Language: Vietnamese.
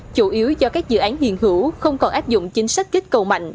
chủ yếu do các dự án hiền hữu không còn áp dụng chính sách kích cầu mạnh